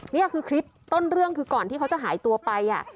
นี่คือคลิปต้นเรื่องคือก่อนที่เขาจะหายตัวไป